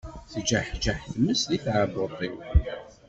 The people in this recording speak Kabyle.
Tejjeḥjeḥ tmes di tɛebbuḍt-iw.